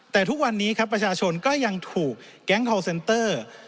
แต่ทุกวันนี้ครับประชาชนก็ยังถูกแก๊งคอลเซนเตอร์